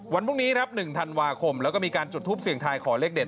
วันพรุ่งนี้ครับ๑ธันวาคมแล้วก็มีการจุดทูปเสียงทายขอเลขเด็ด